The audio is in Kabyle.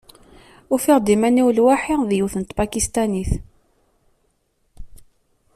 Ufiɣ-d iman-iw lwaḥi d yiwet n Tpakistanit.